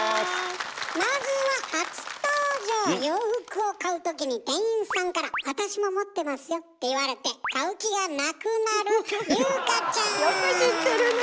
まずは洋服を買うときに店員さんから「私も持ってますよ」って言われて買う気がなくなるよく知ってるね。